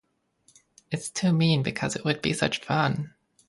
It’s too mean, because it would be such fun.